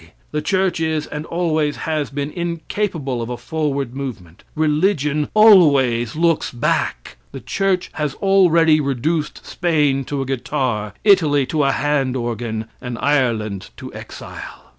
The church is and always has been, incapable of a forward movement. Religion always looks back. The church has already reduced Spain to a guitar, Italy to a hand organ, and Ireland to exile.